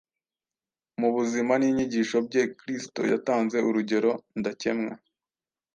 Mu buzima n’inyigisho bye Kristo yatanze urugero ndakemwa